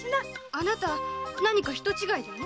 あなた何か人違いでも？